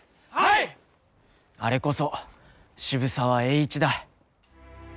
あれこそ渋沢栄一だ。